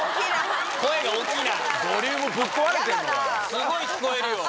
すごい聞こえるよ。